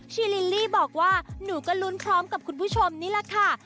ลิลลี่บอกว่าหนูก็ลุ้นพร้อมกับคุณผู้ชมนี่แหละค่ะ